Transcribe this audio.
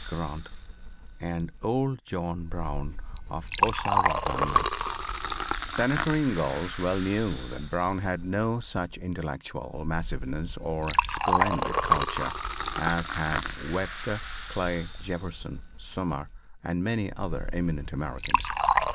Grant and old John Brown of Ossowattamie." Senator Ingalls well knew that Brown had no such intellectual massiveness, or splendid culture, as had Webster, Clay, Jefferson, Sumner, and many other eminent Americans.